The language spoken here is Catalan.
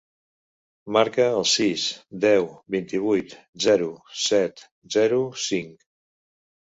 Marca el sis, deu, vint-i-vuit, zero, set, zero, cinc.